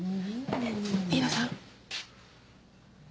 日野さん。